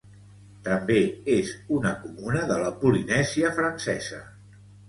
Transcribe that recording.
També és una comuna de la Polinèsia Francesa.